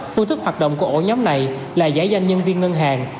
phương thức hoạt động của ổ nhóm này là giải danh nhân viên ngân hàng